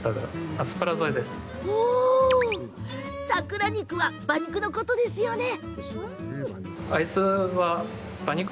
桜肉は馬肉のことですよね。